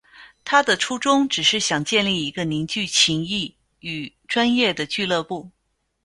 他的初衷只是想建立一个凝聚情谊与专业的俱乐部。